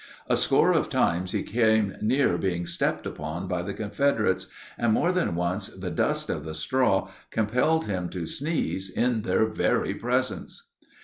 A score of times he came near being stepped upon by the Confederates, and more than once the dust of the straw compelled him to sneeze in their very presence.